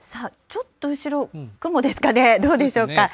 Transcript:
ちょっと後ろ、雲ですかね、どうでしょうか。